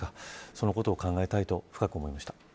そのことを考えたいと深く思いました。